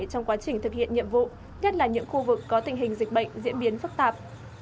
trong quá trình thực hiện nhiệm vụ nhất là những khu vực có tình hình dịch bệnh diễn biến phức tạp